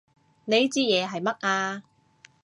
呢支嘢係乜啊？